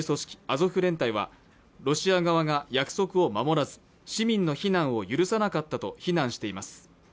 アゾフ連隊はロシア側が約束を守らず市民の避難を許さなかったと非難しています